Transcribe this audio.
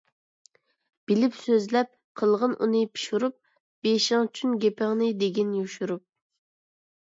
بىلىپ سۆزلەپ، قىلغىن ئۇنى پىشۇرۇپ، بېشىڭچۈن گېپىڭنى دېگىن يوشۇرۇپ.